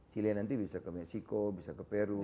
chile nanti bisa ke mexico bisa ke peru